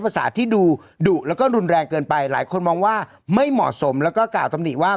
ภาษาที่ดูดุแล้วก็รุนแรงเกินไปหลายคนมองว่าไม่เหมาะสมแล้วก็กล่าวตำหนิว่า